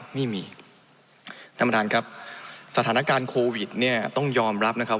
ไม่มีท่านประธานครับสถานการณ์โควิดเนี่ยต้องยอมรับนะครับ